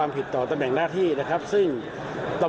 พตรพูดถึงเรื่องนี้ยังไงลองฟังกันหน่อยค่ะ